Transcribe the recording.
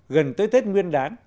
gần tới tết nguyên đán